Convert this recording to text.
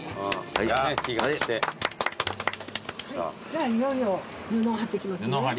じゃあいよいよ布を貼っていきますね。